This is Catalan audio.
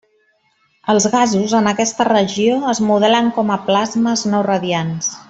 Els gasos en aquesta regió es modelen com a plasmes no radiants.